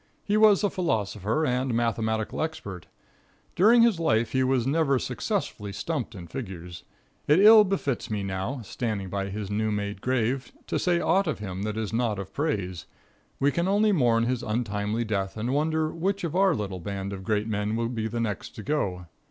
He was a philosopher and mathematical expert. During his life he was never successfully stumped in figures. It ill befits me now, standing by his new made grave, to say aught of him that is not of praise. We can only mourn his untimely death, and wonder which of our little band of great men will be the next to go.